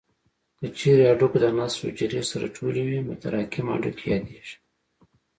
که چیرې هډوکو د نسج حجرې سره ټولې وي متراکم هډوکي یادېږي.